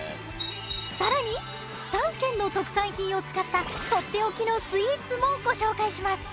更に３県の特産品を使ったとっておきのスイーツもご紹介します。